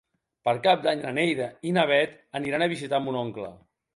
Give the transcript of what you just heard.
Per Cap d'Any na Neida i na Bet aniran a visitar mon oncle.